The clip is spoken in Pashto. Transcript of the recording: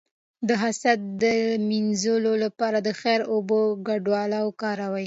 د حسد د مینځلو لپاره د خیر او اوبو ګډول وکاروئ